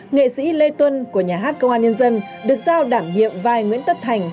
nghệ sĩ lê tuân của nhà hát công an nhân dân được giao đảm nhiệm vai nguyễn tất thành